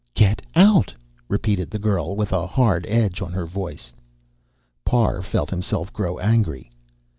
"Get out," repeated the girl, with a hard edge on her voice. Parr felt himself grow angry.